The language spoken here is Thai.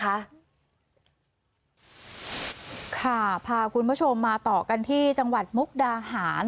ค่ะพาคุณผู้ชมมาต่อกันที่จังหวัดมุกดาหาร